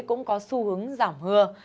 cũng có xu hướng giảm hưa